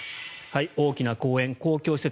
大きな公園、公共施設